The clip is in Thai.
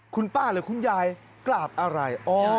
คุณป้าหรือคุณยายกราบอะไร